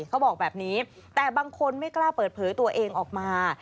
เขาบอกแบบนี้แต่บางคนไม่กล้าเปิดเผยตัวเองออกมา